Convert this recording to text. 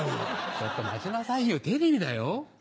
ちょっと待ちなさいよテレビだよ。